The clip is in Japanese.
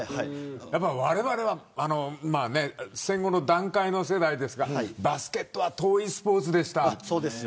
やっぱりわれわれは戦後の団塊の世代ですからバスケットは遠いスポーツでした。